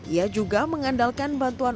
ia juga mengandalkan bantuan